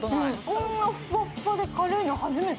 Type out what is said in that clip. こんなふわっふわで軽いの初めて！